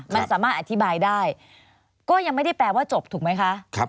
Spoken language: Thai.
มันสามารถอธิบายได้ก็ยังไม่ได้แปลว่าจบถูกไหมคะ